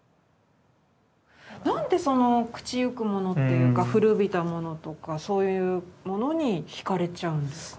何でその朽ちゆくものっていうか古びたものとかそういうものにひかれちゃうんですか？